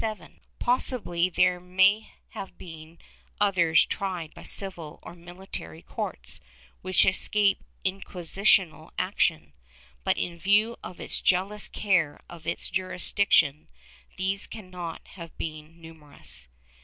IV 20 306 FBEE MASONRY [Book VIII Possibly there may have been others tried by the civil or military courts, which escaped inquisitorial action, but, in view of its jealous care of its jurisdiction, these cannot have been numerous.